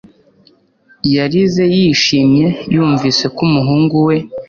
Yarize yishimye yumvise ko umuhungu we